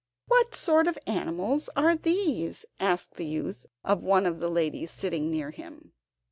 "What sort of animals are these?" asked the youth of one of the ladies sitting near him.